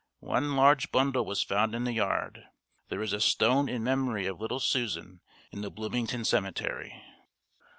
One large bundle was found in the yard. There is a stone in memory of little Susan in the Bloomington cemetery.